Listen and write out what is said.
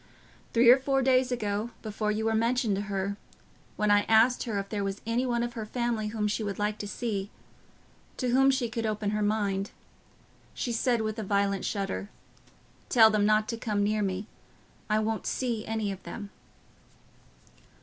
Three or four days ago, before you were mentioned to her, when I asked her if there was any one of her family whom she would like to see—to whom she could open her mind—she said, with a violent shudder, 'Tell them not to come near me—I won't see any of them.